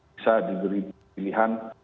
bisa diberi pilihan